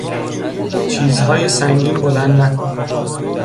چیزهای سنگین بلند نکن!